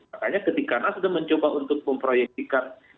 makanya ketika nasden mencoba untuk memproyektikan